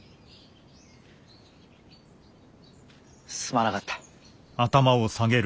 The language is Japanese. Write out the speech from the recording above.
すまなかった。